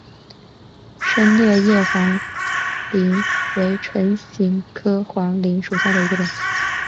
深裂叶黄芩为唇形科黄芩属下的一个种。